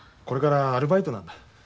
これからアルバイトなんだ。